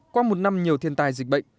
qua một năm nhiều thiên tài dịch bệnh